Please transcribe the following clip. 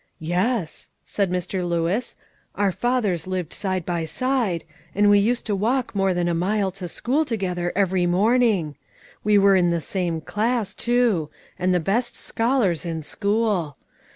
"Yes," said Mr. Lewis. "Our fathers lived side by side, and we used to walk more than a mile to school together every morning; we were in the same class, too, and the best scholars in school.